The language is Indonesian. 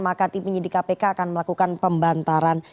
maka tim penyidik kpk akan melakukan pembantaran